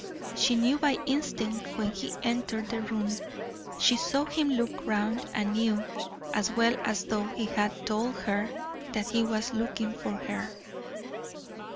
She knew by instinct when he entered the room; she saw him look round, and knew, as well as though he had told her, that he was looking for her.